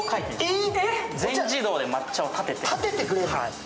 全自動で抹茶をたてています。